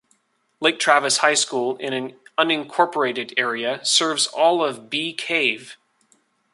Lake Travis High School, in an unincorporated area, serves all of Bee Cave.